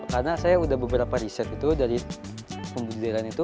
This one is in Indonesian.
karena saya sudah beberapa riset itu dari pembudidiran itu